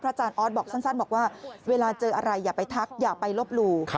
อาจารย์ออสบอกสั้นบอกว่าเวลาเจออะไรอย่าไปทักอย่าไปลบหลู่